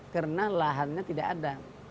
karena lahannya tidak ada